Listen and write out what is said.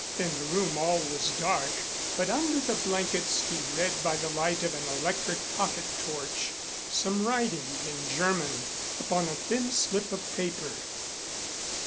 In the room all was dark, but under the blankets he read by the light of an electric pocket torch some writing in German upon a thin slip of paper.